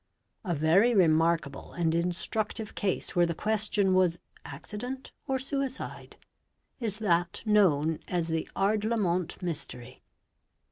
A very remarkable and instructive case where the question was, accident or suicide? is that known as the Ardlamont Mystery.